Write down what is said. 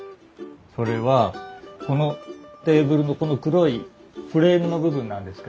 それはこのテーブルのこの黒いフレームの部分なんですけども。